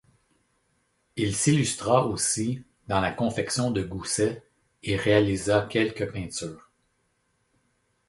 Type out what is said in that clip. Il s'illustra aussi dans la confection de goussets et réalisa quelques peintures.